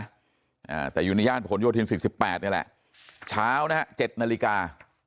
อ่าแต่อยู่ในย่านผลโยธินสี่สิบแปดนี่แหละเช้านะฮะเจ็ดนาฬิกา